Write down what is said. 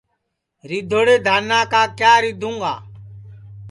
ریدھوڑے دھانا کا کِیا ریدھُوں گا